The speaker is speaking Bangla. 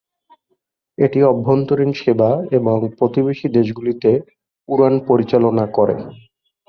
এটি অভ্যন্তরীণ সেবা এবং প্রতিবেশী দেশগুলিতে উড়ান পরিচালনা করে।